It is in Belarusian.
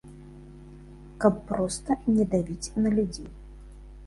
Каб проста не давіць на людзей.